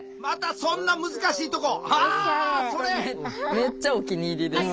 めっちゃお気に入りです。